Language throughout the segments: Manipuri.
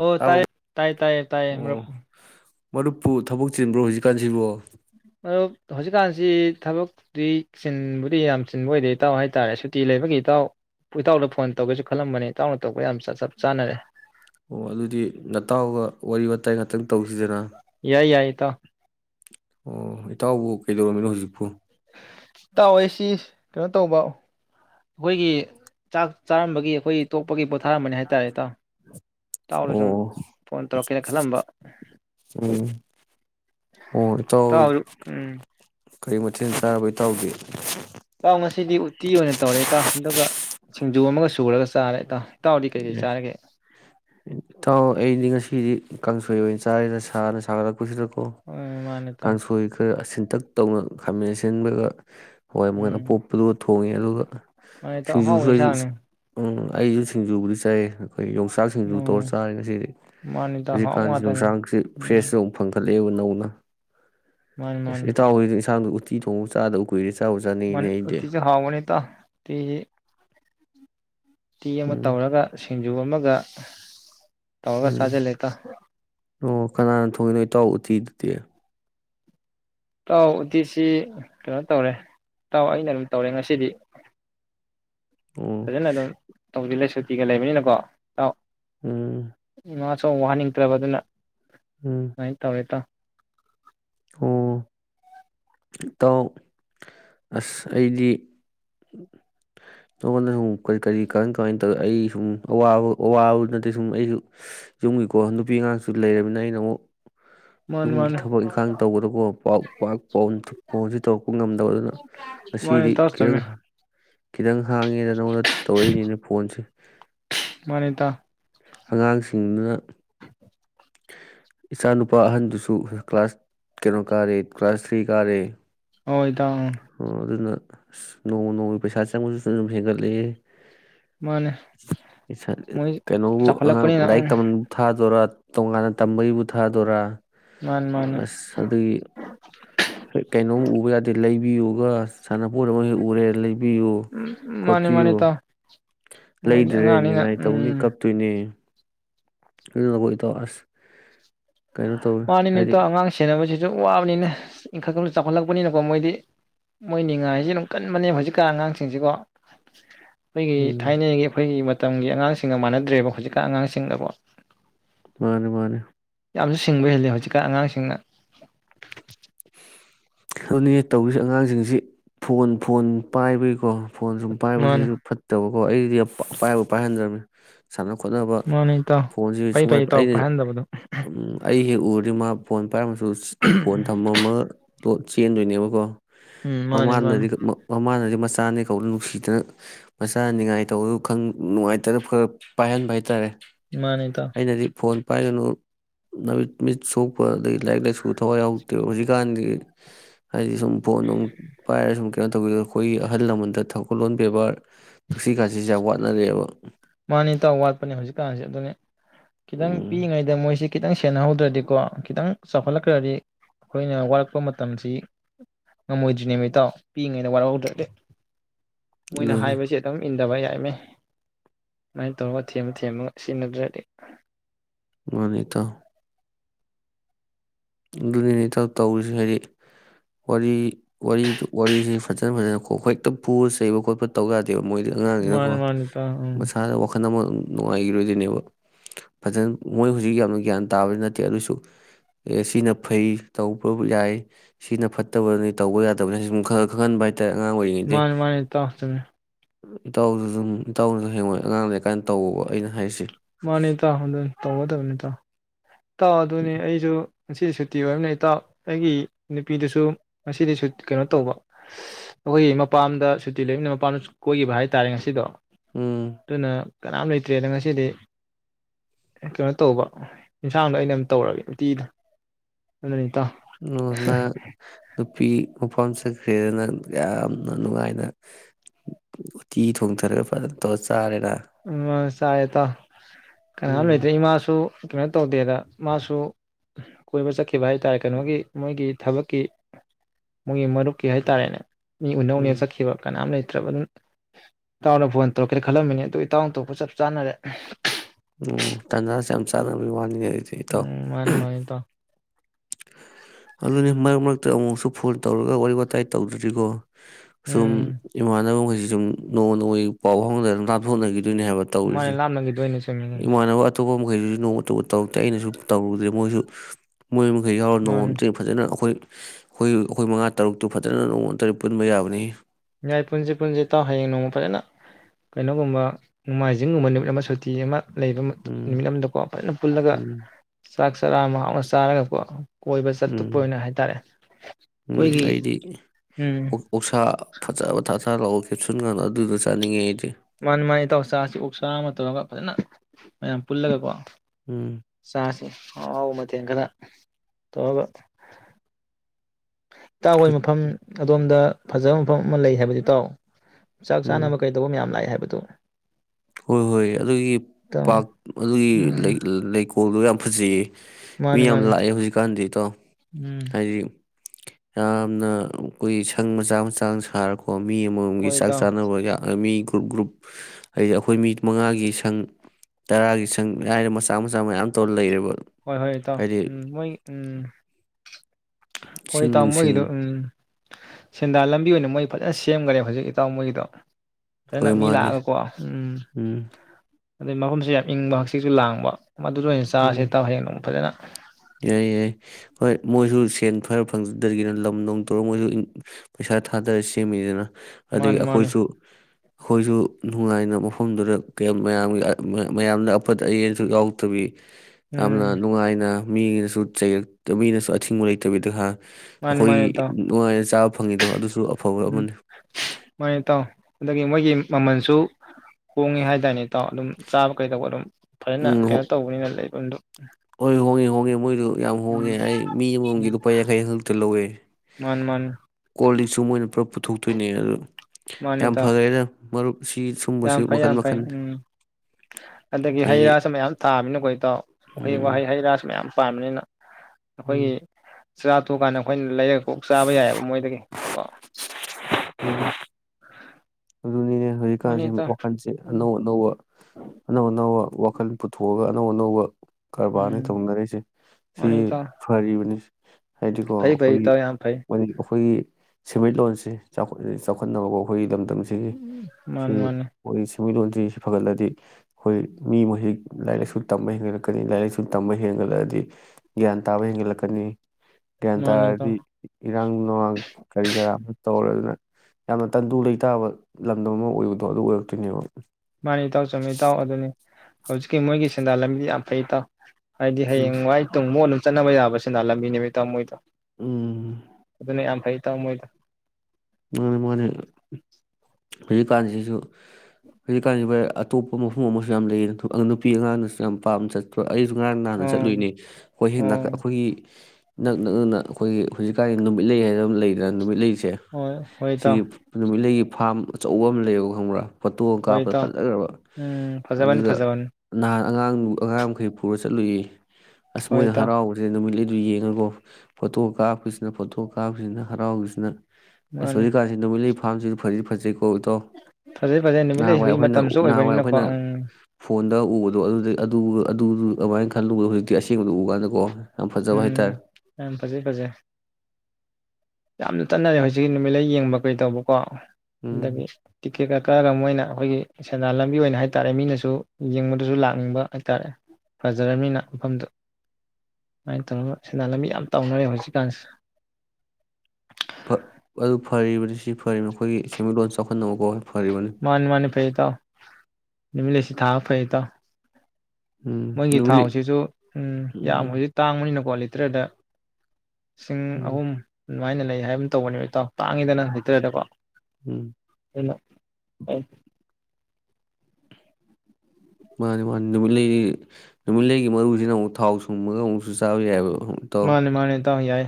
ꯑꯣ ꯇꯥꯕ ꯇꯥꯏꯌꯦ ꯇꯥꯏꯌꯦ ꯇꯥꯏꯌꯦ ꯇꯥꯏꯌꯦ ꯃꯔꯨꯞ ꯑꯣ ꯃꯔꯨꯞꯄꯨ ꯊꯕꯛ ꯆꯤꯟꯕ꯭ꯔꯣ ꯍꯧꯖꯤꯛꯀꯥꯟꯁꯤꯕꯣ ꯃꯔꯨꯞ ꯍꯧꯖꯤꯛꯀꯥꯟꯁꯤ ꯊꯕꯛꯇꯤ ꯆꯤꯟꯕꯨꯗꯤ ꯌꯥꯝ ꯆꯤꯟꯕ ꯑꯣꯏꯗꯦ ꯏꯇꯥꯎ ꯍꯥꯏꯇꯥꯔꯦ ꯁꯨꯇꯤ ꯂꯩꯕꯒꯤ ꯏꯇꯥꯎ ꯏꯇꯥꯎꯗ ꯐꯣꯟ ꯇꯧꯒꯦꯁꯨ ꯈꯜꯂꯝꯕꯅꯦ ꯏꯇꯥꯎꯅ ꯇꯧꯕ ꯌꯥꯝ ꯆ ꯆꯞ ꯆꯥꯅꯔꯦ ꯑꯣ ꯑꯗꯨꯗꯤ ꯅꯇꯥꯎꯒ ꯋꯥꯔꯤ ꯋꯥꯇꯥꯏ ꯉꯥꯛꯇꯪ ꯇꯧꯁꯤꯗꯅ ꯌꯥꯏ ꯌꯥꯏ ꯏꯇꯥꯎ ꯑꯣ ꯏꯇꯥꯎꯕꯨ ꯀꯩꯗꯧꯔꯝꯃꯤꯅꯣ ꯍꯧꯖꯤꯛꯄꯨ ꯏꯇꯥꯎ ꯑꯩꯁꯤ ꯀꯩꯅꯣ ꯇꯧꯕ ꯑꯈꯣꯏꯒꯤ ꯆꯥꯛ ꯆꯥꯔꯝꯕꯒꯤ ꯑꯈꯣꯏ ꯇꯣꯛꯄꯒꯤ ꯄꯣꯠ ꯊꯥꯔꯝꯕꯅꯤ ꯍꯥꯏꯇꯥꯔꯦ ꯇꯥꯎ ꯇꯥꯎꯗ ꯁꯨꯝ ꯑꯣ ꯐꯣꯟ ꯇꯧꯔꯛꯀꯦꯅ ꯈꯜꯂꯝꯕ ꯎꯝ ꯑꯣ ꯏꯇꯥꯎ ꯇꯥꯎ ꯎꯝ ꯀꯔꯤ ꯃꯊꯦꯜ ꯆꯥꯔꯕ ꯏꯇꯥꯎꯗꯤ ꯏꯇꯥꯎ ꯉꯁꯤꯗꯤ ꯎꯇꯤ ꯑꯣꯏꯅ ꯇꯧꯔꯦ ꯏꯇꯥꯎ ꯑꯗꯨꯒ ꯁꯤꯡꯖꯨ ꯑꯃꯒ ꯁꯨꯔꯒ ꯆꯥꯔꯦ ꯏꯇꯥꯎ ꯏꯇꯥꯎꯗꯤ ꯀꯩꯀꯩ ꯆꯥꯔꯒꯦ ꯑꯦ ꯏꯇꯥꯎ ꯑꯩꯗꯤ ꯉꯁꯤꯗꯤ ꯀꯥꯡ ꯁꯣꯏ ꯑꯣꯏꯅ ꯆꯥꯔꯦꯗ ꯁꯥꯅ ꯁꯥꯒꯠꯂꯛꯄꯁꯤꯗ ꯑꯣ ꯍꯣꯏ ꯃꯥꯅꯦ ꯏꯇꯥꯎ ꯀꯥꯡꯁꯣꯏ ꯈꯔ ꯑꯁꯤꯟ ꯇꯛ ꯇꯧꯅ ꯈꯥꯃꯦꯟ ꯑꯁꯤꯟꯕꯒ ꯍꯣꯏ ꯃꯣꯏꯅ ꯎꯝ ꯄꯣꯛꯄꯂꯨꯊꯨ ꯊꯣꯡꯉꯦ ꯑꯗꯨꯒ ꯃꯥꯅꯦ ꯏꯇꯥꯎ ꯑꯍꯥꯎꯕ ꯁꯤꯡꯖꯨꯁꯨ ꯑꯩꯁꯨ ꯏꯟꯁꯥꯡꯅꯤ ꯎꯝ ꯑꯩꯖꯦ ꯖꯨꯕꯨꯗꯤ ꯆꯥꯏꯑꯦ ꯑꯩꯈꯣꯏ ꯌꯣꯡꯆꯥꯛꯁꯤꯡꯗꯨ ꯇꯧꯔ ꯎꯝ ꯆꯥꯔꯦ ꯉꯁꯤꯗꯤ ꯃꯥꯅꯤꯗ ꯍꯥꯎꯕ ꯍꯧꯖꯤꯛꯀꯥꯟꯁꯤ ꯉꯥꯛꯇꯅꯤ ꯌꯣꯡꯁꯥꯛꯁꯤ ꯎꯝ ꯐ꯭ꯔꯦꯁꯁꯨ ꯐꯪꯈꯠꯂꯛꯑꯦꯕ ꯅꯧꯅ ꯃꯥꯅꯤ ꯃꯥꯅꯤ ꯏꯇꯥꯎ ꯑꯣꯏ ꯏꯁꯥꯡ ꯆ ꯊꯣꯡ ꯆꯥꯗ ꯀꯨꯏꯔꯦ ꯆꯥꯕꯨ ꯆꯥꯅꯤꯡꯉꯤꯅꯦ ꯃꯅꯦ ꯑꯩꯗꯤ ꯍꯧꯕꯅꯤ ꯇꯍꯦ ꯇꯤ ꯑꯃ ꯎꯝ ꯇꯧꯔꯒ ꯁꯤꯡ ꯌꯨ ꯑꯃꯒ ꯇꯧꯔꯒ ꯎꯝ ꯆꯥꯁꯤꯜꯂꯦ ꯏꯇꯥꯎ ꯑꯣ ꯀꯅꯥꯅ ꯊꯣꯡꯏꯤꯅꯣ ꯏꯇꯥꯎ [unintelligible] ꯇꯥꯎ ꯎꯇꯤꯁꯤ ꯀꯩꯅꯣ ꯇꯧꯔꯦ ꯇꯥꯎ ꯑꯩꯅ ꯑꯗꯨꯝ ꯇꯧꯔꯦ ꯉꯁꯤꯗꯤ ꯑꯣ ꯐꯖꯅ ꯑꯗꯨꯝ ꯇꯧꯖꯤꯜꯂꯦ ꯁꯨꯇꯤꯒ ꯂꯩꯕꯅꯤꯅꯀꯣ ꯑꯥ ꯎꯝ ꯁꯣꯝ ꯋꯥꯍꯟꯅꯤꯡꯗ꯭ꯔꯕ ꯑꯗꯨꯅ ꯎꯝ ꯑ ꯇꯋꯦ ꯇ ꯑꯣ ꯏꯇꯥꯎ ꯑꯁ ꯑꯩꯗꯤ ꯅꯉꯣꯟꯅ ꯁꯨꯝ ꯀꯔꯤ ꯀꯔꯤ ꯀꯔꯝ ꯀꯃꯥꯏꯅ ꯇꯧ ꯑꯩ ꯁꯨꯝꯕ ꯑꯋꯥꯕ ꯅꯠꯇꯦ ꯁꯨꯝ ꯑꯩꯁꯨ ꯌꯨꯝꯒꯤꯀꯣ ꯅꯨꯄꯤ ꯑꯉꯥꯡꯁꯨ ꯂꯩꯔꯕꯅꯤꯅ ꯑꯩꯅ ꯑꯃꯨꯛ ꯃꯥꯅꯤ ꯌꯨꯝꯒꯤ ꯃꯥꯅꯤ ꯊꯕꯛ ꯏꯪꯈꯥꯡ ꯇꯧꯕꯗꯀꯣ ꯄꯥꯛ ꯄꯥꯛ ꯐꯣꯟꯖꯦ ꯇꯧꯔꯛꯄ ꯉꯝꯗꯕ ꯑꯗꯨꯅ ꯃꯥꯅꯤ ꯉꯁꯤꯗꯤ ꯏꯇꯥꯎ ꯆꯨꯝꯃꯤ ꯈꯤꯌꯡ ꯈꯤꯇꯪ ꯍꯥꯡꯉꯦꯗ ꯅꯉꯣꯟꯗ ꯇꯧꯔꯛꯏꯅꯤꯅꯦ ꯐꯣꯟꯁꯦ ꯃꯥꯅꯤ ꯏꯇꯥꯎ ꯑꯉꯥꯡꯁꯤꯡꯗꯨꯅ ꯏꯆꯥ ꯅꯨꯨꯄꯥ ꯑꯍꯟꯗꯨꯁꯨ ꯀ꯭ꯂꯥꯁ ꯀꯩꯅꯣ ꯀꯥꯔꯦ ꯀ꯭ꯂꯥꯁ ꯊ꯭ꯔꯤ ꯀꯥꯔꯦ ꯍꯣꯏ ꯏꯇꯧ ꯑꯏ ꯅꯣꯡꯃ ꯅꯣꯡꯒꯤ ꯄꯩꯁꯥ ꯆꯪꯕꯁꯨ ꯑꯗꯨꯝ ꯍꯦꯟꯒꯠꯂꯦꯑꯦ ꯃꯥꯅꯤ ꯩꯥ ꯃꯣꯏ ꯀꯩꯅꯣꯕꯨ ꯑꯉꯥꯡ ꯆꯥꯎꯈꯠꯂꯛꯄꯅꯤꯅ ꯂꯥꯏꯔꯤꯛ ꯎꯝ ꯇꯟ ꯊꯥꯗꯣꯔꯥ ꯇꯣꯉꯥꯟꯅ ꯇꯝꯕꯒꯤꯕꯨ ꯊꯥꯗꯣꯏꯔꯥ ꯃꯥꯅꯤ ꯃꯥꯅꯤ ꯑꯁ ꯑꯗꯨꯏ ꯀꯩꯅꯣꯝ ꯎꯕ ꯌꯥ ꯂꯩꯕꯤꯌꯨꯒ ꯁꯥꯟꯅꯄꯣꯠ ꯑꯃꯒꯤ ꯎꯔꯦ ꯕꯤꯌꯨ ꯎꯝ ꯃꯥꯅꯤ ꯃꯥꯅꯤ ꯀꯣꯠꯄꯤꯌꯨ ꯏꯇꯥꯎ ꯃꯣꯏꯗꯤ ꯂꯩꯗ꯭ꯔꯦ ꯑꯉꯥꯡꯅꯤꯅ ꯅꯤꯡꯉꯥꯏ ꯇꯧꯅꯤ ꯎꯝ ꯀꯞꯇꯣꯏꯅꯤ ꯅꯤ ꯑꯗꯨꯅꯀꯣ ꯏꯇꯥꯎ ꯑꯁ ꯀꯩꯅꯣ ꯇꯧꯋꯦ ꯃꯥꯅꯤꯅꯦ ꯍꯥꯏꯗꯤ ꯏꯇꯥꯎ ꯑꯉꯥꯡ ꯁꯦꯟꯅꯕꯁꯦ ꯋꯥꯕꯅꯤꯅꯦ ꯏꯟꯈꯠꯂꯛ ꯆꯥꯎꯈꯠꯂꯛꯄꯅꯤꯅꯀꯣ ꯃꯣꯏꯗꯤ ꯃꯣꯏ ꯅꯤꯉꯥꯏꯁꯦ ꯑꯗꯨꯝ ꯀꯟꯕꯅꯦꯕ ꯍꯧꯖꯤꯛꯀꯥꯟ ꯑꯉꯥꯡꯁꯤꯡꯁꯤꯀꯣ ꯑꯩꯈꯣꯏꯒꯤ ꯎꯝ ꯊꯥꯏꯅꯒꯤ ꯑꯩꯈꯣꯏꯒꯤ ꯃꯇꯝꯒꯤ ꯑꯉꯥꯡꯁꯤꯡꯒ ꯃꯥꯟꯅꯗ꯭ꯔꯦꯕ ꯍꯧꯖꯤꯛꯀꯥꯟ ꯑꯉꯥꯡꯁꯤꯡꯗꯕ ꯃꯥꯅꯦ ꯃꯥꯅꯦ ꯌꯥꯝꯁꯨ ꯁꯤꯡꯕ ꯍꯦꯜꯂꯦ ꯍꯧꯖꯤꯛꯀꯥꯟ ꯑꯉꯥꯡꯁꯤꯡꯅ ꯑꯗꯨꯅꯤ ꯇꯧꯔꯤꯁꯤ ꯑꯉꯥꯡꯁꯤꯡꯁꯤ ꯐꯣꯟ ꯐꯣꯟ ꯄꯥꯏꯕꯒꯤꯀꯣ ꯐꯣꯟ ꯁꯨꯝ ꯃꯥꯅꯤ ꯄꯥꯏꯕꯁꯤꯁꯨ ꯐꯠꯇꯕ ꯑꯣ ꯑꯩꯗꯤ ꯄꯥꯏꯕꯨ ꯄꯥꯏꯍꯟꯗꯔ꯭ꯕꯅꯦ ꯁꯥꯅꯧ ꯈꯣꯠꯅꯕ ꯃꯥꯅꯤ ꯏꯇꯥꯎ ꯐꯣꯟꯁꯤ ꯐꯩ ꯁꯨꯡꯄꯥꯏ ꯐꯩ ꯏꯇꯥꯎ ꯑꯩꯅ ꯄꯥꯏꯍꯟꯗꯕꯗꯣ ꯑꯩ ꯍꯦꯛ ꯎꯔꯗꯤ ꯃꯥ ꯐꯣꯟ ꯄꯥꯏꯔꯝꯃꯁꯨ ꯐꯣꯟ ꯊꯝꯃꯝꯃ ꯄꯣꯠ ꯆꯦꯟꯗꯣꯏꯅꯦꯕꯀꯣ ꯎꯝ ꯃꯥꯅꯤ ꯃꯥꯅꯤ ꯃꯃꯥꯟꯅꯗꯤ ꯃꯃꯥꯅꯗꯤ ꯃꯆꯥꯅꯤ ꯀꯧꯕ ꯅꯨꯡꯁꯤꯗꯅ ꯃꯆꯥ ꯅꯤꯡꯉꯥꯏ ꯇꯧꯕꯗꯨ ꯈꯪ ꯅꯨꯡꯉꯥꯏꯇꯅ ꯈꯔ ꯄꯥꯏꯍꯟꯕ ꯍꯥꯏꯇꯥꯔꯦ ꯃꯥꯅꯤ ꯏꯇꯥꯎ ꯑꯩꯅꯗꯤ ꯐꯣꯟ ꯄꯥꯏꯒꯅꯨ ꯅꯃꯤꯠ ꯃꯤꯠ ꯁꯣꯛꯄ ꯑꯗꯒꯤ ꯂꯥꯏꯔꯤꯛ ꯂꯥꯏꯁꯨ ꯊꯋꯥꯏ ꯌꯥꯎꯗꯦ ꯍꯧꯖꯤꯛꯀꯥꯟꯗꯤ ꯍꯥꯏꯗꯤ ꯁꯨꯝ ꯐꯣꯟꯗꯣ ꯄꯥꯏꯔꯒ ꯁꯨꯝ ꯀꯩꯅꯣ ꯇꯧꯒꯤꯕꯗ ꯑꯩꯈꯣꯏꯒꯤ ꯑꯍꯜ ꯂꯃꯟꯗ ꯊꯧꯒꯜꯂꯣꯟ ꯕꯦꯕꯥꯔ ꯊꯛꯁꯤ ꯈꯥꯁꯤꯁꯦ ꯌꯥꯝ ꯋꯥꯠ [unintelligible] ꯃꯥꯅꯤ ꯏꯇꯥꯎ ꯋꯥꯠꯄꯅꯦ ꯍꯧꯖꯤꯛꯀꯥꯟꯁꯦ ꯑꯗꯨꯅꯤ ꯈꯤꯇꯪ ꯎꯝ ꯄꯤꯛꯏꯉꯩꯗ ꯃꯣꯏꯁꯤ ꯈꯤꯇꯪ ꯁꯦꯟꯅꯍꯧꯗ꯭ꯔꯗꯤꯀꯣ ꯈꯤꯇꯪ ꯆꯥꯎꯈꯠꯂꯛꯈ꯭ꯔꯗꯤ ꯑꯩꯈꯣꯏꯅ ꯋꯥꯔꯛꯄ ꯃꯇꯝꯁꯤ ꯉꯝꯃꯣꯏꯗ꯭ꯔꯤꯅꯦꯕ ꯏꯇꯥꯎ ꯄꯤꯛꯏꯉꯩꯗ ꯋꯥꯔꯛꯍꯧꯗ꯭ꯔꯗꯤ ꯃꯣꯏꯅ ꯑꯗꯨꯅꯤ ꯍꯥꯏꯕꯁꯤ ꯑꯗꯨꯝ ꯏꯟꯗꯕ ꯌꯥ [unintelligible] ꯁꯨꯃꯥꯏꯅ ꯇꯧꯔꯒ ꯊꯦꯝꯃ ꯊꯦꯝꯃꯒ ꯁꯤꯖꯤꯟꯅꯗ꯭ꯔꯗꯤ ꯃꯥꯅꯦ ꯏꯇꯥꯎ ꯑꯗꯨꯅꯤꯅꯦ ꯏꯇꯥꯎ ꯇꯧꯔꯤꯁꯦ ꯍꯥꯏꯗꯤ ꯋꯥꯔꯤ ꯋꯥꯔꯤꯗꯨ ꯋꯥꯔꯤꯁꯦ ꯐꯖꯅ ꯐꯖꯅ ꯍꯦꯛꯇ ꯐꯨꯕ ꯆꯩꯕ ꯈꯣꯠꯄ ꯇꯧꯕ ꯌꯥꯗꯦ ꯃꯣꯏꯗꯤ ꯑꯉꯥꯡꯅꯤꯅꯀꯣ ꯃꯥꯅꯤ ꯃꯥꯅꯤ ꯏꯇꯥꯎ ꯎꯝ ꯃꯁꯥꯗ ꯋꯥꯈꯜ ꯑꯃ ꯅꯨꯡꯉꯥꯏꯈꯤꯔꯣꯏꯗꯣꯏꯅꯦꯕ ꯐꯖꯅ ꯃꯣꯏ ꯍꯧꯖꯤꯛ ꯌꯥꯝꯅ ꯒ꯭ꯌꯥꯟ ꯇꯥꯕꯗꯤ ꯅꯠꯇꯦ ꯑꯗꯨꯁꯨ ꯑꯦ ꯁꯤꯅ ꯐꯩ ꯇꯧꯕ ꯌꯥꯏ ꯁꯤꯅ ꯐꯠꯇꯕꯅꯤ ꯇꯧꯕ ꯌꯥꯗꯕꯅꯤꯅ ꯁꯨꯝ ꯈꯪꯍꯟꯕ ꯍꯥꯏ ꯃꯥꯅꯦ ꯃꯥꯅꯦ ꯏꯇꯥꯎ ꯆꯨꯨꯝꯃꯦ ꯏꯇꯥꯎꯗꯨ ꯁꯨꯝ ꯏꯇꯥꯎꯅꯁꯨ ꯍꯌꯦꯡꯋꯥꯏ ꯑꯉꯥꯡ ꯂꯩꯔꯀꯥꯟꯗ ꯇꯧꯑꯣꯕ ꯑꯩꯅ ꯍꯥꯏꯔꯤꯁꯦ ꯃꯥꯅꯤ ꯏꯇꯥꯎ ꯇꯧꯒꯗꯕꯅꯤ [inaudible] [unintelligible] ꯏꯇꯥꯎ ꯑꯗꯨꯅꯦ ꯑꯩꯁꯨ ꯉꯁꯤꯗꯤ ꯁꯨꯇꯤ ꯑꯣꯏꯕꯅ ꯏꯇꯥꯎ ꯑꯩꯒꯤ ꯅꯨꯄꯤꯗꯨꯁꯨ ꯉꯁꯤꯗꯤ ꯀꯩꯅꯣ ꯇꯧꯕ ꯑꯩꯈꯣꯏꯒꯤ ꯃꯄꯥꯝꯗ ꯁꯨꯇꯤ ꯂꯩꯃꯤꯅ ꯃꯄꯥꯝꯗ ꯀꯣꯏꯈꯤꯕ ꯍꯥꯏꯇꯥꯔꯦ ꯉꯁꯤꯗꯣ ꯎꯝ ꯑꯗꯨꯅ ꯀꯅꯥꯝ ꯂꯩꯇ꯭ꯔꯦꯗ ꯉꯁꯤꯗꯤ ꯀꯩꯅꯣ ꯇꯧꯕ ꯑꯦꯟꯁꯥꯡꯗꯣ ꯑꯩꯅ ꯑꯃꯝ ꯇꯧꯔꯒꯦ ꯎꯅꯨꯡꯇꯤꯗ ꯑꯗꯨꯅꯤ ꯏꯇꯥꯎ ꯎ ꯅꯨꯄꯤ ꯃꯄꯥꯝ ꯆꯠꯈ꯭ꯔꯦꯅ ꯅꯪ ꯌꯥꯝꯅ ꯅꯨꯡꯉꯥꯏꯅ ꯎꯇꯤ ꯊꯣꯡꯊꯔꯒ ꯐꯖꯅ ꯇꯧꯔ ꯆꯥꯔꯦ ꯎꯝ ꯆꯥꯏꯌꯦ ꯏꯇꯥꯎ ꯀꯅꯥꯝ ꯎꯝ ꯂꯩꯇ꯭ꯔꯦ ꯏꯃꯥꯁꯨ ꯀꯩꯅꯣ ꯇꯧꯗꯦꯗ ꯃꯥꯁꯨ ꯀꯣꯏꯕ ꯆꯠꯈꯤꯕ ꯍꯥꯏꯇꯥꯥꯔꯦ ꯀꯩꯅꯣꯒꯤ ꯃꯣꯏꯒꯤ ꯊꯕꯛꯀꯤ ꯃꯣꯏꯒꯤ ꯃꯔꯨꯞꯀꯤ ꯍꯥꯏꯇꯥꯔꯦꯅꯦ ꯃꯤ ꯎꯅꯧꯅꯔ ꯎꯝ ꯆꯠꯈꯤꯕ ꯀꯅꯥꯝ ꯂꯩ ꯇꯕꯆꯔꯅ ꯏꯇꯥꯎꯅ ꯐꯣꯟ ꯇꯧꯔꯛꯀꯦ ꯈꯜꯂꯝꯃꯤꯅꯤ ꯑꯗꯨ ꯏꯇꯥꯎ ꯊꯧꯔꯛꯄ ꯆꯞ ꯆꯥꯅꯔꯦ ꯎꯝ ꯇꯟꯖꯥ ꯁꯦ ꯌꯥꯝ ꯆꯥꯟꯅꯕꯩ ꯋꯥꯅꯤꯅꯦ ꯗꯨꯗꯤ ꯏꯇꯥꯎ ꯎꯝ ꯃꯥꯅꯤ ꯃꯥꯅꯤ ꯏꯇꯥꯎ ꯑꯗꯨꯅꯤ ꯃꯔꯛ ꯃꯔꯛꯇ ꯑꯃꯨꯛꯁꯨ ꯐꯣꯟ ꯇꯧꯔꯒ ꯋꯥꯔꯤ ꯋꯥꯇꯥꯏ ꯇꯧꯁꯤꯀꯣ ꯁꯨꯝ ꯎꯝ ꯏꯃꯥꯟꯅꯕꯩ ꯉꯁꯤ ꯨ ꯅꯣꯡꯃ ꯅꯣꯡꯃꯒꯤ ꯄꯥꯎ ꯐꯥꯎꯅꯗꯔꯃꯤꯅ ꯂꯥꯞꯊꯣꯛꯅꯈꯤ ꯑꯗꯨꯅꯦ ꯍꯥꯏꯕ ꯃꯥꯅꯦ ꯇꯧꯔꯤꯁꯦ ꯂꯥꯞꯅꯈꯤꯗꯣꯏꯅꯦ ꯆꯨꯝꯃꯤꯅꯦ ꯏꯃꯥꯟꯅꯕ ꯑꯇꯣꯞꯄ ꯃꯈꯩꯗꯨꯁꯨ ꯅꯣꯡꯃꯇ ꯇꯧꯔꯛꯇꯦ ꯑꯩꯅꯁꯨ ꯇꯧꯔꯨꯗ꯭ꯔꯦ ꯃꯣꯏꯁꯨ ꯃꯣꯏ ꯑꯩꯈꯩ ꯌꯥꯎꯔ ꯃꯥꯅꯤ ꯅꯣꯡꯃꯝꯇꯦꯡ ꯐꯖꯅ ꯑꯩꯈꯣꯏ ꯑꯩꯈꯣꯏ ꯑꯩꯈꯣꯏ ꯃꯉꯥ ꯇꯔꯨꯛꯇꯨ ꯐꯖꯅ ꯅꯣꯡꯃꯥ ꯑꯝꯇꯥꯗꯤ ꯄꯨꯟꯕ ꯌꯥꯕꯅꯤ ꯌꯥꯏ ꯄꯨꯟꯁꯤ ꯄꯨꯟꯁꯤ ꯏꯇꯥꯎ ꯍꯌꯦꯡ ꯅꯣꯡꯃ ꯐꯖꯅ ꯀꯩꯅꯣꯒꯨꯝꯕ ꯅꯣꯡꯃꯥꯏꯖꯤꯡꯒꯨꯝꯕ ꯅꯨꯃꯤꯠ ꯑꯃ ꯁꯨꯇꯤ ꯑꯃ ꯂꯩꯕ ꯎꯝ ꯅꯨꯃꯤꯠ ꯑꯃꯗꯀꯣ ꯐꯖꯅ ꯄꯨꯜꯂꯒ ꯎꯝ ꯆꯥꯛ ꯆꯔꯥ ꯑꯃꯥ ꯍꯥꯎꯅ ꯆꯥꯔꯥꯒꯀꯣ ꯀꯣꯏꯕ ꯆꯠꯇꯨꯄ ꯎꯝ ꯑꯣꯏꯅ ꯍꯥꯏꯇꯥꯔꯦ ꯎꯝ ꯑꯩꯈꯣꯏꯒꯤ ꯎꯝ ꯐꯖꯊ ꯑꯊ ꯂꯥꯛꯑꯣ ꯀꯦꯠꯁꯟ ꯀꯅꯣ ꯑꯗꯨꯗꯨꯣ ꯆꯥꯅꯤꯡꯉꯦ ꯃꯥꯟ ꯃꯥꯥꯏ ꯇꯧ ꯆꯥꯁꯤ ꯑꯣꯛ ꯆꯥ ꯑꯃ ꯇꯧꯔꯒ ꯐꯖꯅ ꯃ ꯌꯥꯝ ꯄꯨꯜꯂꯒꯦꯀꯣ ꯎꯝ ꯁꯥꯁꯤ ꯑꯥꯎ ꯃ ꯀꯗꯥ ꯇ ꯏꯇꯥꯛ ꯍꯣꯏ ꯃꯐꯝ ꯑꯗꯣꯝꯗ ꯐꯖꯕ ꯃꯐꯝ ꯑꯃ ꯂꯩ ꯍꯥꯏꯕꯗꯨ ꯇꯥꯎ ꯆꯥꯛ ꯎꯝ ꯆꯥꯅꯕ ꯀꯩꯗꯧꯕ ꯃ ꯌꯥꯝ ꯂꯥꯛꯑꯦ ꯍꯥꯏꯕ ꯈꯨꯗꯣꯛ ꯍꯣꯏ ꯍꯣꯏ ꯑꯗꯨꯒꯤ ꯏꯇꯥꯎ ꯄꯥꯛ ꯑꯗꯨꯒꯤ ꯎꯝ ꯂꯩꯀꯣꯜꯗꯣ ꯌꯥꯝ ꯐꯖꯤꯌꯦ ꯃꯤ ꯃꯥꯅꯤ ꯌꯥꯝ ꯃꯥꯅꯤ ꯂꯥꯛꯑꯦ ꯍꯧꯖꯤꯛꯀꯥꯟꯗꯤꯗꯣ ꯎꯝ ꯍꯥꯏꯗꯤ ꯌꯥꯝꯅ ꯑꯩꯈꯣꯏ ꯁꯪ ꯃꯆꯥ ꯃꯆꯥ ꯁꯥꯔꯣ ꯀ ꯃꯤ ꯑꯃꯃꯝꯒꯤ ꯍꯣꯏ ꯆꯥꯛ ꯏꯇꯥꯎ ꯆꯥꯅꯕ ꯃꯤ ꯒ꯭ꯔꯨꯞ ꯍꯥꯏꯗꯤ ꯑꯩꯈꯣꯏ ꯃꯤ ꯃꯉꯥꯒꯤ ꯁꯪ ꯇꯔꯥꯒꯤ ꯁꯪ ꯍꯥꯏꯔ ꯃꯆꯥ ꯃꯆꯥ ꯃꯌꯥꯝ ꯇꯧꯔ ꯂꯩꯔꯦꯕ ꯍꯣꯏ ꯍꯣꯏꯇꯥꯎ ꯍꯥꯏꯗꯤ ꯎꯝ ꯃꯣꯏ ꯎꯝ ꯍꯣꯏ ꯏꯁꯤꯡ ꯇꯥ ꯃꯣꯏꯒꯤꯗꯣ ꯅꯨꯡꯁꯤꯡ ꯁꯦꯟꯗꯥꯜ ꯂꯝꯕꯤ ꯑꯣꯏꯅ ꯃꯣꯏ ꯐꯠ ꯑꯦ ꯁꯦꯝꯈꯔꯦ ꯍꯧꯖꯤꯛ ꯏꯇꯥꯎ ꯃꯣꯏꯒꯤꯗꯣ ꯐꯖꯅ ꯍꯣꯏ ꯃꯤ ꯃꯥꯅꯤ ꯂꯥꯛꯑꯒꯀꯣ ꯎꯝ ꯎꯝ ꯑꯗꯩ ꯃꯐꯝꯁꯨ ꯌꯥꯝ ꯏꯪꯕ ꯍꯛꯆꯤꯁꯨ ꯂꯥꯡꯕ ꯃ ꯑꯗꯨ ꯑꯣꯏꯅ ꯆꯥꯁꯦ ꯎꯝ ꯍ ꯍꯌꯦꯡ ꯑꯃꯅꯨꯡ ꯐꯖꯅ ꯌꯥꯏ ꯌꯥꯏ ꯍꯣꯏ ꯃꯣꯏꯖꯨ ꯁꯦꯟ ꯐꯔ ꯐꯪꯖꯗꯤꯅ ꯂꯝ ꯅꯨꯡ ꯇꯧꯔ ꯃꯣꯏꯖꯨ ꯎꯪ ꯄꯩꯁꯥ ꯊꯥꯗꯔ ꯁꯦꯝꯃꯤꯅꯤꯅ ꯑꯗꯒꯤ ꯃꯥꯅꯤ ꯃꯥꯅꯤ ꯑꯩꯈꯣꯏꯁꯨ ꯑꯩꯈꯣꯏꯁꯨ ꯅꯨꯡꯉꯥꯏꯅ ꯃꯐꯝꯗꯨꯗ ꯃꯌꯥꯝꯒꯤ ꯃꯌꯥꯝꯅ ꯑꯐꯠꯇ ꯑꯌꯦꯟꯁꯨ ꯌꯥꯎꯔꯛꯇꯕꯤ ꯌꯥꯝꯅ ꯎꯝ ꯅꯨꯡꯉꯥꯏꯅ ꯃꯤꯅꯁꯨ ꯆꯩꯔꯛꯇ ꯃꯤꯅꯁꯨ ꯑꯊꯤꯡꯕ ꯂꯩꯇꯕꯤꯗ ꯈ ꯃꯥꯅꯤ ꯑꯩꯈꯣꯏꯒꯤ ꯃꯥꯅꯤ ꯏꯇꯥꯎ ꯅꯨꯡꯉꯥꯏꯅ ꯆꯥꯕ ꯐꯪꯉꯤꯗꯣ ꯑꯗꯨꯁꯨ ꯑꯐꯕ ꯎꯝ ꯑꯃꯅꯤ ꯃꯥꯅꯤ ꯏꯇꯥꯎ ꯑꯗꯒꯤ ꯃꯣꯏꯒꯤ ꯃꯃꯜꯁꯨ ꯍꯣꯡꯉꯦ ꯍꯥꯏꯇꯥꯔꯦꯅꯦꯇꯣ ꯑꯗꯨꯝ ꯆꯥꯕ ꯀꯩꯗꯧꯕ ꯑꯗꯨꯝ ꯐꯖꯅ ꯎꯝ ꯍꯣ ꯀꯩꯅꯣ ꯇꯧꯕꯅꯤꯅ ꯂꯩ [unintelligible] ꯃꯦꯃꯣꯔꯤꯣ ꯌꯥꯝ ꯍꯣꯡꯉꯦ ꯎꯝ ꯑꯩ ꯃꯤ ꯑꯃꯃꯝ ꯎꯝ ꯂꯨꯄꯥ ꯌꯥꯡꯈꯩꯛꯇ ꯂꯧꯋꯦ ꯃꯥꯅꯤ ꯃꯥꯅꯤ ꯀꯣ ꯁꯨ ꯃꯣꯏꯅ ꯄꯨꯂꯞ ꯄꯨꯊꯣꯛꯇꯣꯏꯅꯦ ꯑꯗꯣ ꯃꯥꯅꯤ ꯌꯥꯝ ꯏꯇꯥꯎ ꯐꯔꯦꯅ ꯃꯔꯨꯞ ꯁꯤ ꯌꯥꯝ ꯁꯨꯝꯕꯁꯤ ꯐꯩ ꯃꯈꯟ ꯌꯥꯝ ꯐꯩ ꯃꯈꯟ ꯎꯝ ꯑꯗꯒꯤ ꯍꯩ ꯍꯥꯏꯗꯤ ꯔꯥꯁꯨ ꯃꯌꯥꯝ ꯊꯥꯕꯃꯤꯅꯈꯣꯏ ꯋꯥꯍꯩ ꯎꯝ ꯋꯥꯍꯩ ꯍꯩ ꯔꯥꯁ ꯃꯌꯥꯝ ꯐꯦꯃꯤꯂꯤꯅ ꯎꯝ ꯑꯈꯣꯏꯒꯤ ꯆꯥ ꯊꯨ ꯀꯥꯟꯅ ꯑꯩꯈꯣꯏꯅ ꯂꯩ ꯀꯣꯛ ꯆꯥꯕ ꯌꯥꯏꯑꯕ ꯃꯣꯏꯗꯒꯤ ꯀ꯭ꯋꯥ [inaudible] ꯑꯗꯨꯅꯤꯅꯦ ꯃꯥꯅꯤ ꯍꯧꯖꯤꯛꯀꯥꯟꯁꯤ ꯏꯇꯥꯎ ꯋꯥꯈꯜꯁꯤ ꯎꯝ ꯑꯅꯧ ꯑꯅꯧꯕ ꯑꯅꯧ ꯑꯅꯧꯕ ꯋꯥꯈꯜ ꯄꯨꯊꯣꯛꯑꯒ ꯑꯅꯧ ꯑꯅꯧꯕ ꯀꯔꯕꯥꯔꯅꯤ ꯎꯝ ꯇꯧꯅꯔꯤꯁꯦ ꯁꯤ ꯃꯥꯅꯤ ꯏꯇꯥꯎ ꯐꯔꯤꯕꯅꯤ ꯍꯥꯏꯗꯤꯀꯣ ꯐꯩ ꯐꯩ ꯑꯩꯈꯣꯏꯒꯤ ꯏꯇꯥꯎ ꯌꯥꯝ ꯐꯩ ꯑꯩꯈꯣꯏ ꯑꯩꯈꯣꯏꯒꯤ ꯁꯦꯟꯃꯤꯠꯂꯣꯟꯁꯤ ꯆꯥꯎꯈ ꯆꯥꯎꯈꯠꯅꯕꯀꯣ ꯑꯩꯈꯣꯏꯒꯤ ꯂꯝꯗꯝ ꯁꯤ ꯃꯥꯅꯤ ꯃꯥꯅꯤ ꯑꯣꯏꯣꯏ ꯁꯤ ꯁꯦꯟꯃꯤꯠꯂꯣꯟꯁꯤ ꯐꯒꯠꯂꯗꯤ ꯑꯩꯈꯣꯏ ꯃꯤ ꯃꯍꯤꯛ ꯂꯥꯏꯔꯤꯛ ꯂꯥꯏꯁꯨ ꯇꯝꯕ ꯍꯦꯟꯒꯠꯂꯛꯀꯅꯤ ꯂꯥꯏꯔꯤꯛ ꯂꯥꯏꯁꯨ ꯇꯝꯕ ꯍꯦꯟꯒꯠꯂꯛꯑꯗꯤ ꯒ꯭ꯌꯥꯟ ꯇꯥꯕ ꯍꯦꯟꯒꯠꯂꯛꯀꯅꯤ ꯒ꯭ꯌꯥꯟ ꯃꯥꯅꯤ ꯇꯥꯔꯗꯤ ꯏꯇꯥꯎ ꯏꯔꯥꯡ ꯅꯨꯅꯨꯡꯍꯥꯡ ꯀꯔꯤ ꯀꯔꯥ ꯑꯃ ꯇꯧꯔꯗꯅ ꯌꯥꯝꯅ ꯇꯟꯗꯨ ꯂꯩꯇꯥꯕ ꯂꯝꯗꯝ ꯑꯃ ꯑꯣꯏꯕꯗꯣ ꯑꯗꯨ ꯑꯣꯏꯔꯛꯇꯣꯏꯅꯦꯕ ꯃꯥꯅꯤ ꯏꯇꯥꯎ ꯆꯨꯝꯃꯤ ꯢꯇꯥꯎ ꯑꯗꯨꯅꯤ ꯍꯧꯖꯤꯛꯀꯤ ꯃꯣꯏꯒꯤ ꯁꯦꯟꯗꯥꯥꯟ ꯂꯝꯕꯤꯗꯤ ꯌꯥꯝ ꯐꯩ ꯢꯇꯥꯎ ꯍꯥꯏꯗꯤ ꯍꯌꯦꯡ ꯋꯥꯏ ꯇꯨꯡ ꯃꯨ ꯑꯗꯨꯝ ꯆꯠꯅꯕ ꯌꯥꯕ ꯁꯤꯜꯂ ꯃꯤꯅꯦꯕ ꯏꯇꯥꯎ ꯃꯣꯏꯗꯣ ꯎꯝ ꯑꯗꯨꯅꯦ ꯌꯥꯝ ꯐꯩ ꯇꯝꯃꯣꯏꯗ ꯃꯥꯅꯦ ꯃꯥꯅꯦ ꯍꯧꯖꯤꯛꯀꯥꯟꯁꯤꯁꯨ ꯍꯧꯖꯤꯛꯀꯥꯟꯁꯤ ꯚꯥꯏ ꯑꯇꯣꯞꯄ ꯃꯐꯝ ꯑꯃꯁꯨ ꯌꯥꯝ ꯂꯩꯌꯦ ꯅꯨꯄꯤ ꯑꯉꯥꯡꯅꯁꯨ ꯌꯥꯝ ꯄꯥꯝꯅ ꯆꯠꯄ ꯑꯩꯁꯨ ꯉꯔꯥꯡ ꯍꯥꯟꯟꯅ ꯎꯝ ꯆꯠꯂꯨꯏꯅꯦ ꯍꯈꯣꯏ ꯍꯦꯛ ꯅꯥꯀꯟ ꯎꯝ ꯑꯩꯈꯣꯏꯒꯤ ꯅꯛ ꯅꯛꯅꯅ ꯑꯩꯈꯣꯏꯒꯤ ꯍꯧꯖꯤꯛꯀꯥꯟꯒꯤ ꯅꯨꯃꯤꯠ ꯂꯩ ꯍꯥꯏꯕ ꯑꯃ ꯂꯩꯗꯅ ꯅꯨꯃꯤꯠ ꯂꯩꯁꯤ ꯍꯣꯏ ꯍꯣꯏ ꯏꯇꯥꯎ ꯁꯤꯒꯤ ꯅꯨꯃꯤꯠ ꯂꯩꯒꯤ ꯐꯥꯝ ꯑꯆꯧꯕ ꯑꯃ ꯂꯩꯌꯦꯕ ꯈꯪꯕ꯭ꯔꯥ ꯐꯣꯇꯣ ꯍꯣꯏ ꯀꯥꯞꯄꯗ ꯏꯇꯥꯎ ꯐꯖꯈ꯭ꯔꯕ ꯎꯝ ꯐꯖꯕꯅꯤ ꯑꯗꯨꯗ ꯐꯖꯕꯅꯤ ꯅꯍꯥ ꯑꯉꯥꯡꯗꯨ ꯑꯉꯥꯡ ꯃꯈꯩ ꯄꯨꯔ ꯆꯠꯂꯨꯏ ꯑꯁ ꯍꯣꯏ ꯃꯣꯏꯅ ꯏꯇꯥꯎ ꯍꯔꯥꯎꯕꯁꯦ ꯅꯨꯃꯤꯠꯂꯩ ꯑꯗꯨ ꯌꯦꯡꯉꯀꯣ ꯐꯣꯇꯣ ꯀꯥꯞꯄꯁꯤꯅ ꯐꯣꯇꯣ ꯀꯥꯞꯄꯁꯤꯅ ꯍꯔꯥꯎꯈꯤꯕꯁꯤꯅ ꯑꯁ ꯃꯥꯅꯦ ꯍꯧꯖꯤꯛꯀꯥꯟꯁꯦ ꯅꯨꯃꯤꯠꯂꯩ ꯐꯨ ꯐꯥꯝꯁꯤꯁꯨ ꯐꯥꯗꯤ ꯐꯥꯖꯩ ꯀꯣ ꯏꯇꯥꯎ ꯐꯖꯩ ꯐꯖꯩ ꯅꯨꯃꯤꯠ ꯅꯍꯥꯟꯋꯥꯏ ꯂꯩꯁꯤꯕꯒꯤ ꯑꯩꯈꯣꯏꯅ ꯃꯇꯝꯁꯨ ꯅꯍꯥꯟꯋꯥꯏ ꯑꯣꯏꯕꯅꯤꯅꯀꯣ ꯑꯩꯈꯣꯏꯅ ꯎꯝ ꯐꯣꯟꯗ ꯎꯕ ꯑꯗꯣ ꯑꯗꯨꯗꯩ ꯑꯗꯨ ꯑꯗꯨꯗꯨ ꯑꯃꯥꯏꯅ ꯈꯜꯂꯨꯕꯗꯣ ꯍꯧꯖꯤꯛꯇꯤ ꯑꯁꯦꯡꯕꯗ ꯎ ꯀꯥꯟꯗꯀꯣ ꯌꯥꯝ ꯐꯖꯕ ꯎꯝ ꯍꯥꯏꯇꯥꯔꯦ ꯌꯥꯝ ꯐꯖꯩ ꯐꯖꯩ ꯌꯥꯝꯅꯁꯨ ꯆꯠꯅꯔꯦ ꯍꯧꯖꯤꯛꯀꯤ ꯅꯨꯃꯤꯠꯂ ꯌꯦꯡꯕ ꯀꯩ ꯇꯧꯕꯀꯣ ꯑꯗꯒꯤ ꯎꯝ ꯇꯤꯀꯦ ꯇꯤꯀꯦꯀꯛ ꯀꯛꯑꯒ ꯃꯣꯏꯅ ꯑꯩꯈꯣꯏꯒꯤ ꯁꯦꯟꯗꯥꯟ ꯂꯝꯕꯤ ꯑꯣꯏꯅ ꯍꯥꯏ ꯇꯥꯔꯦ ꯃꯤꯅꯁꯨ ꯌꯦꯡꯕꯗꯁꯨ ꯂꯥꯛꯅꯤꯡꯕ ꯍꯥꯏ ꯇꯥꯔꯦ ꯐꯖꯔꯕꯅꯤꯅ ꯃꯐꯝꯗꯨ ꯁꯨꯃꯥꯏꯅ ꯇꯧꯔꯅ ꯁꯦꯟꯗꯥꯟ ꯂꯝꯕꯤ ꯌꯥꯝ ꯇꯧꯅꯔꯦ ꯍꯧꯖꯤꯛꯀꯥꯟꯁꯦ꯫ ꯑꯗꯨ ꯐꯔꯤꯕꯗꯤ ꯁꯤ ꯐꯅ ꯑꯩꯈꯣꯏꯒꯤ ꯁꯦꯃꯤꯠꯂꯣꯟ ꯆꯥꯎꯈꯠꯅꯕ ꯀꯣ꯫ ꯃꯥꯅꯤ ꯃꯥꯅꯤ ꯐꯩ꯫ [unintelligible] ꯅꯨꯃꯤ ꯂꯩꯁꯤ ꯊꯥꯕ ꯐꯩ ꯢꯇꯥꯎ ꯎꯝ ꯃꯣꯏꯒꯤ ꯅꯨꯃꯤꯠꯂꯩ ꯊꯥꯎꯁꯤꯁꯨ ꯎꯝ ꯌꯥꯝ ꯍꯧꯖꯤꯛ ꯇꯥꯡꯕꯅꯤꯅ ꯀꯤ [unintelligible] ꯂꯤꯁꯤꯡ ꯎꯝ ꯑꯍꯨꯝ ꯑꯗꯨꯃꯥꯏꯅ ꯂꯩ ꯍꯥꯏꯒꯨꯝ ꯇꯧꯕꯅꯦꯕ ꯏꯇꯥꯎ ꯇꯥꯡꯉꯤꯗ ꯅ ꯂꯤꯇ꯭ꯔꯗꯀꯣ꯫ ꯎꯝ ꯑꯩꯅ [unintelligible] ꯃꯥꯅꯤ ꯃꯥꯅꯤ ꯅꯨꯃꯤꯠꯂꯩꯒꯤ ꯅꯨꯃꯤꯠꯂꯩꯒꯤ ꯃꯔꯨꯖꯤꯅ ꯑꯃꯨꯛ ꯊꯥꯎ ꯁꯨꯝꯕꯒ ꯑꯃꯨꯛꯁꯨ ꯆꯥꯕ ꯌꯥꯏꯑꯕ ꯇꯧ ꯃꯥꯅꯦ ꯃꯥꯅꯦ꯫ ꯏꯇꯥꯎ ꯌꯥꯏ꯫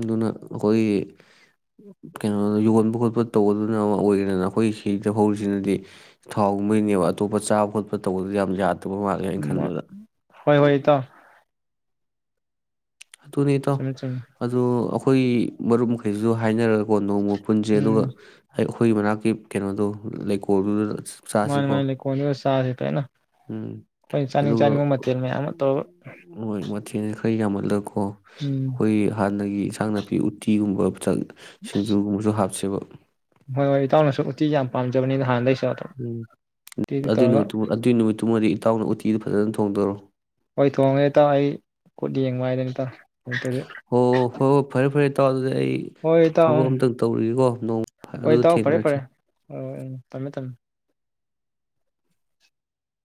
ꯑꯗꯨꯅ ꯑꯩꯈꯣꯏꯒꯤ ꯀꯩꯅꯣ ꯌꯣꯟꯕ ꯈꯣꯠꯄ ꯇꯧꯕꯗꯨꯅ ꯑꯃ ꯑꯣꯏꯒ꯭ꯔꯦꯗꯅ ꯑꯩꯈꯣꯏꯒꯤ ꯁꯤꯗ ꯍꯧꯔꯤꯁꯤꯅꯗꯤ ꯊꯥꯎꯒꯨꯝꯕꯩꯅꯦꯕ ꯑꯇꯣꯞꯄ ꯆꯥꯕ ꯈꯣꯠꯄ ꯇꯧꯕꯗꯨꯗꯤ ꯌꯥꯝ ꯌꯥ [unintelligible] ꯏꯇꯥꯎ ꯑꯗꯨꯅꯤ ꯏꯇꯥꯎ ꯆꯨꯝꯃꯤ ꯆꯨꯝꯃꯤ ꯑꯗꯣ ꯑꯩꯈꯣꯏꯒꯤ ꯃꯔꯨꯞ ꯃꯈꯩꯁꯨ ꯍꯥꯏꯅꯔꯒ ꯀꯣ ꯅꯣꯡꯃ ꯄꯨꯟꯖꯦ ꯑꯗꯨꯒ ꯎꯝ ꯑꯩꯈꯣꯏꯒꯤ ꯃꯅꯥꯛꯀꯤ ꯀꯩꯅꯣꯗꯣ ꯂꯩꯀꯣꯜꯗꯨꯗ ꯃꯥꯅꯦ ꯆꯥꯁꯤꯀꯣ ꯃꯥꯅꯦ ꯂꯩꯀꯣꯗꯨꯗ ꯆꯥꯖꯦ [unintelligible] ꯎꯝ ꯑꯩꯈꯣꯏꯅ ꯆꯥꯅꯤꯡ ꯑꯗꯨꯒ ꯆꯥꯅꯤꯡꯕ ꯃꯊꯦꯜ ꯃꯌꯥꯝ ꯑꯃ ꯇꯧꯔꯒ [unintelligible] ꯈꯔ ꯌꯥꯝꯍꯂ ꯑꯣ ꯎꯝ ꯑꯩꯈꯣꯏꯒꯤ ꯍꯥ ꯑꯗꯒꯤ ꯏꯟꯁꯥꯡ ꯅꯥꯄꯤ ꯎꯇꯤꯒꯨꯝꯕ ꯁꯤꯡꯖꯨꯒꯨꯝꯕꯖꯨ ꯍꯥꯞꯁꯦꯕ ꯍꯣꯏ ꯍꯣꯏ ꯏꯇꯥꯎꯅꯁꯨ ꯎꯇꯤ ꯌꯥꯝ ꯄꯥꯝꯖꯕꯅꯤ ꯍꯥꯟꯅꯗꯩꯁꯨ ꯑꯗꯣ ꯎꯝ ꯎꯇꯤꯗꯨ ꯑꯗꯨ ꯇꯧꯔꯒ ꯅꯨꯃꯤꯠꯇꯨꯃ ꯑꯗꯨ ꯅꯨꯃꯤꯠꯇꯨꯃꯗꯤ ꯏꯇꯥꯎꯅ ꯎꯇꯤꯗꯨ ꯐꯖꯅ ꯊꯣꯡꯗꯔꯣ꯫ ꯍꯣꯏ ꯊꯣꯡꯒꯦ ꯏꯇꯥꯎ ꯑꯩ ꯈꯨꯠ ꯌꯦꯡꯕ ꯍꯥꯏꯗꯨꯅꯤ ꯏꯇꯥꯎ ꯅꯠꯇ꯭ꯔꯗꯤ ꯑꯣ ꯍꯣ ꯐꯔꯦ ꯐꯔꯦ ꯏꯇꯥꯎ ꯑꯗꯨ ꯍꯣꯏ ꯏꯇꯥꯎ ꯑꯡ ꯅꯣꯡ ꯍꯣꯏ ꯑꯗꯨ ꯏꯇꯥꯎ ꯐꯔꯦ ꯊꯦꯡꯅꯔꯁꯤ ꯐꯔꯦ ꯑꯣ ꯎꯝ ꯊꯝꯃꯦ ꯊꯝꯃꯦ꯫